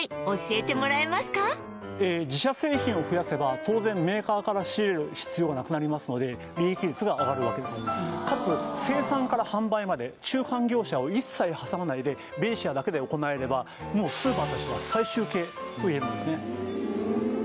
自社製品を増やせば当然メーカーから仕入れる必要がなくなりますので利益率が上がるわけですかつ生産から販売まで中間業者を一切挟まないでベイシアだけで行えればもうスーパーとしては最終形といえるんですね